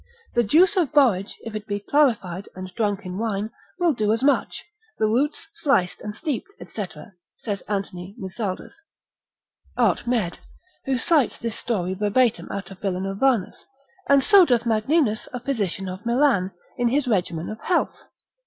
The juice of borage, if it be clarified, and drunk in wine, will do as much, the roots sliced and steeped, &c. saith Ant. Mizaldus, art. med. who cities this story verbatim out of Villanovanus, and so doth Magninus a physician of Milan, in his regimen of health.